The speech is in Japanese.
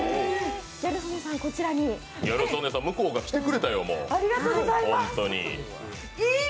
ギャル曽根さん、向こうが来てくれたよ、もう。